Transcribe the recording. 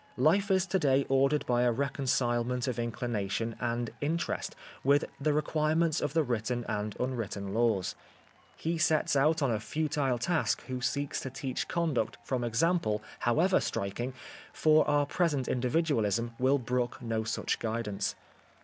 Life is to day ordered by a reconcilement of inclination and interest with the requirements of the written and unwritten laws. He sets out on a futile task who seeks to teach conduct from example however striking, for our present in dividualism will brook no such guidance.